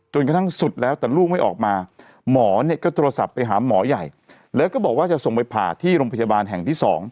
กระทั่งสุดแล้วแต่ลูกไม่ออกมาหมอเนี่ยก็โทรศัพท์ไปหาหมอใหญ่แล้วก็บอกว่าจะส่งไปผ่าที่โรงพยาบาลแห่งที่๒